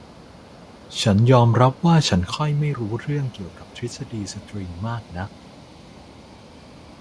ฉันยอมรับว่าฉันค่อยไม่รู้เรื่องเกี่ยวกับทฤษฎีสตริงมากนัก